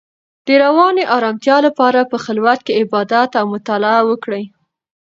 د رواني ارامتیا لپاره په خلوت کې عبادت او مطالعه وکړئ.